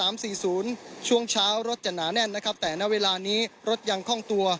ช่วงสี่ศูนย์ช่วงเช้ารถจะหนาแน่นนะครับแต่ณเวลานี้รถยังคล่องตัว